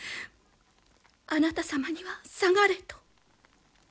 あなた様には「下がれ」と。